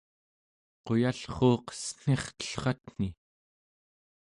quyallruuq cen̄irtellratni